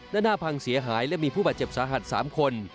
ด้านหน้าพังเสียหายและมีผู้บาดเจ็บสาหัส๓คน